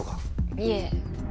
いえ。